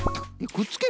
くっつける？